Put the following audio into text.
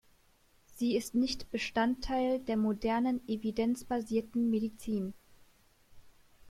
Sie ist nicht Bestandteil der modernen evidenzbasierten Medizin.